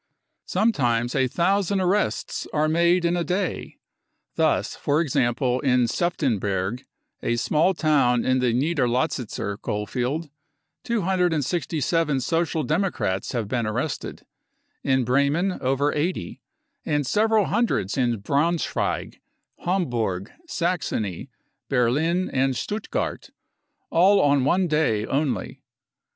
Sometimes a thousand arrests are made in a day. Thus for example in Seftenberg, a small town in the Niederlausitzer coalfield, 267 social democrats have been arrested ; in Bremen over 80 ; and several hundreds in Braunschweig, Hamburg, Saxony, Berlin and Stuttgart, all on one day only.